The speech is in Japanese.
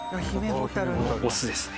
オスですね。